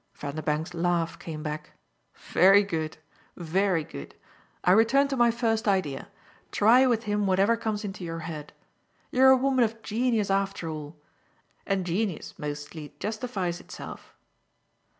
Vanderbank's laugh came back. "Very good very good. I return to my first idea. Try with him whatever comes into your head. You're a woman of genius after all, and genius mostly justifies itself.